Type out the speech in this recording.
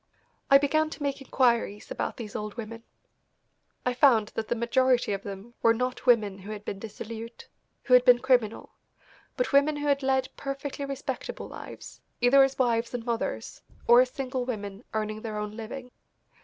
I began to make inquiries about these old women. I found that the majority of them were not women who had been dissolute, who had been criminal, but women who had lead perfectly respectable lives, either as wives and mothers, or as single women earning their own living.